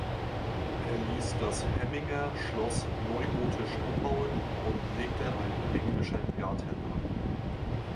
Er ließ das Hemminger Schloss neugotisch umbauen und legte einen Englischen Garten an.